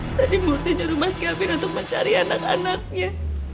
tadi murthy nyuruh mas kevin untuk mencari anak anaknya